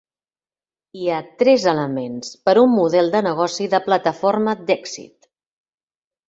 Hi ha tres elements per a un model de negoci de plataforma d'èxit.